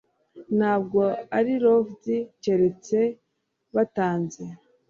Ntabwo ari lov'd keretse batanze;